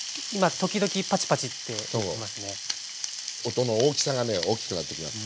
音の大きさがね大きくなってきます。